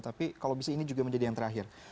tapi kalau bisa ini juga menjadi yang terakhir